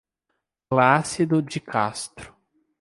Plácido de Castro